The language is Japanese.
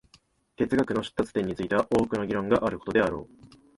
哲学の出立点については多くの議論があることであろう。